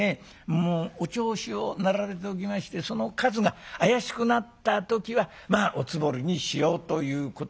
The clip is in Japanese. もうおちょうしを並べておきましてその数が怪しくなった時はまあおつもりにしようということになるんだ。